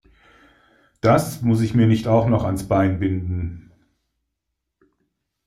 Das muss ich mir nicht auch noch ans Bein binden.